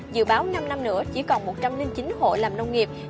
dự báo năm năm nữa chỉ còn một trăm linh chín hộ làm nông nghiệp